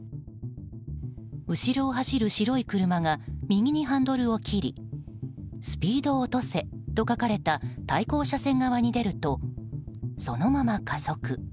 後ろを走る白い車が右にハンドルを切り「スピードおとせ」と書かれた対向車線側に出るとそのまま加速。